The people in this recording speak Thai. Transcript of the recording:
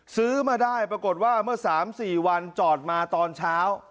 ซื้อมาได้ปรากฏว่าเมื่อ๓๔วันจอดมาตอนเช้า